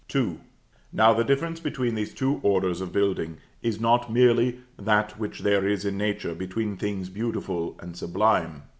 II. Now, the difference between these two orders of build ing is not merely that which there is in nature between things beautiful and sublime.